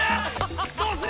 どうする？